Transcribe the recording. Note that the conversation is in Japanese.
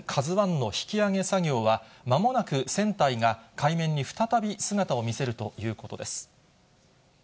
ＫＡＺＵＩの引き揚げ作業は、まもなく船体が海面に再び姿を見せるということです。